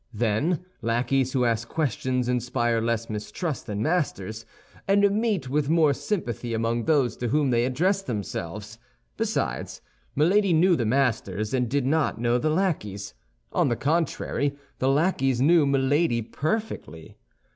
Then, lackeys who ask questions inspire less mistrust than masters, and meet with more sympathy among those to whom they address themselves. Besides, Milady knew the masters, and did not know the lackeys; on the contrary, the lackeys knew Milady perfectly.